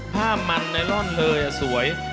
ผ้ามันไนล่อนเลยสวย